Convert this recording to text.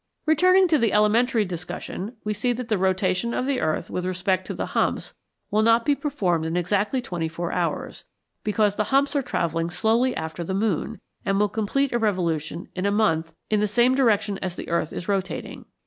Returning to the elementary discussion, we see that the rotation of the earth with respect to the humps will not be performed in exactly twenty four hours, because the humps are travelling slowly after the moon, and will complete a revolution in a month in the same direction as the earth is rotating.